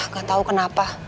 gak tahu kenapa